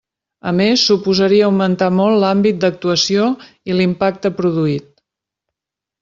A més, suposaria augmentar molt l'àmbit d'actuació i l'impacte produït.